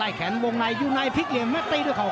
แขนวงในอยู่ในพลิกเหลี่ยมและตีด้วยเขา